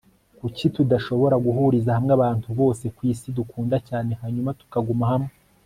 kuki tudashobora guhuriza hamwe abantu bose kwisi dukunda cyane hanyuma tukaguma hamwe